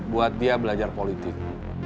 buat dia belajar politik